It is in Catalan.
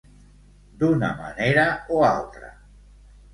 D'una manera o altra.